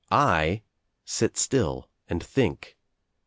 I sit still and think.